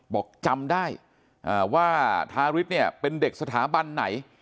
บอกจำได้ว่าทาริสเนี่ยเป็นเด็กสถาบันไหน